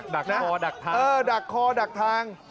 ดักคอดักทางนะเออดักคอดักทาง